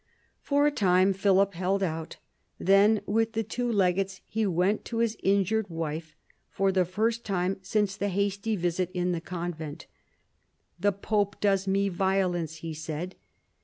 For a time Philip held out; then with the two legates he went to his injured wife, for the first time since the hasty visit in the convent. "The pope does me violence," he said.